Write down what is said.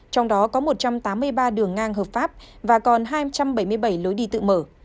trong đó có một trăm tám mươi ba đường ngang hợp pháp và còn hai trăm bảy mươi bảy lối đi tự mở